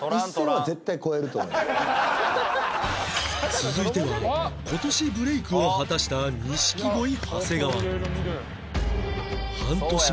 続いては今年ブレイクを果たした錦鯉長谷川